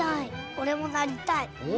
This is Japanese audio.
おれもなりたい。